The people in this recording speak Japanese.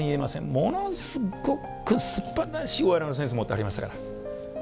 ものすごくすばらしいお笑いのセンス持ってはりましたから。